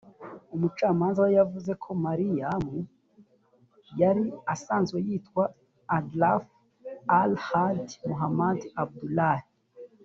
umucamanza we yavuze ko Meriam yari asanzwe yitwa Adraf Al-Hadi Mohammed Abdullah